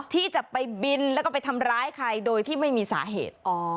ที่จะไปบินแล้วก็ไปทำร้ายใครโดยที่ไม่มีสาเหตุ